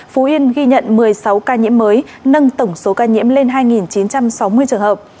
phú yên ghi nhận một mươi sáu ca nhiễm mới nâng tổng số ca nhiễm lên hai chín trăm sáu mươi trường hợp